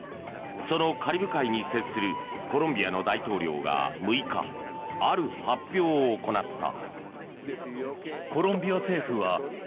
そのカリブ海に接するコロンビアの大統領が６日ある発表を行った。